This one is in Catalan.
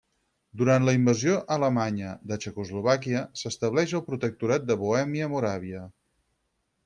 Durant la invasió alemanya de Txecoslovàquia, s'estableix el protectorat de Bohèmia-Moràvia.